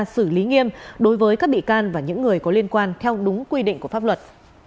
xử lý nghiêm đối với các bị can và những người có liên quan theo đúng quy định của pháp luật